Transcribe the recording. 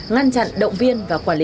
ngăn chặn động viên và quản lý